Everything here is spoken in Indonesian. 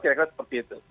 kira kira seperti itu